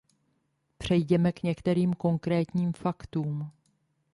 Přejděme k některým konkrétním faktům.